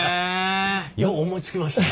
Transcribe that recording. よう思いつきましたね！